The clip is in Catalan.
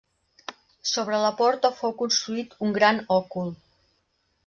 Sobre la porta fou construït un gran òcul.